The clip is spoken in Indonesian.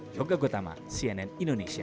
yoga gotama cnn indonesia